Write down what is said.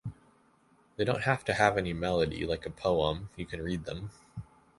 They don't have to have any melody, like a poem, you can read them.